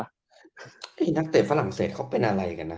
นี่นักเตะฝรั่งเศสเขาเป็นอะไรกันนะ